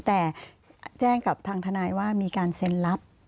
แต่แจ้งกับทางทนายว่ามีการเซ็นรับ